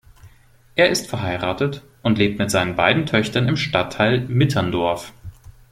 Er ist verheiratet und lebt mit seinen beiden Töchtern im Stadtteil Mitterndorf.